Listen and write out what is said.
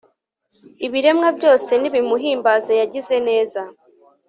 ibiremwa byose nibimuhimbaze yagize neza